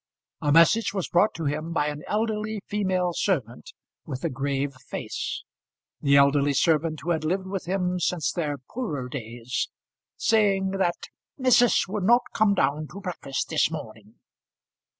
A message was brought to him by an elderly female servant with a grave face, the elderly servant who had lived with them since their poorer days, saying that "Missus would not come down to breakfast this morning."